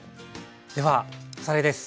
ではおさらいです。